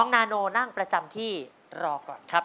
นาโนนั่งประจำที่รอก่อนครับ